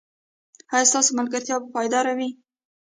ایا ستاسو ملګرتیا به پایداره وي؟